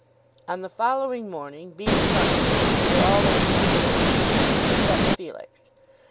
On the following morning, being Sunday, they all went to church, except Felix.